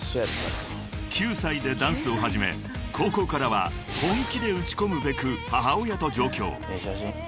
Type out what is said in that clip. ［９歳でダンスを始め高校からは本気で打ち込むべく母親と上京］